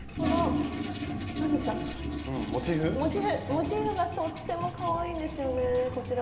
モチーフがとってもかわいいんですよねこちらも。